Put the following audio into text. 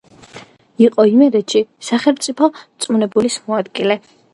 იყო იმერეთში სახელმწიფო რწმუნებულის მოადგილე.